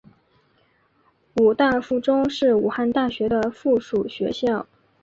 武大附中是武汉大学的附属学校。